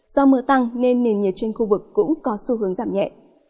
do mưa tăng nên nền nhiệt trên khu vực cũng có xu hướng giảm nhẹ